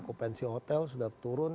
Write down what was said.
kupensi hotel sudah turun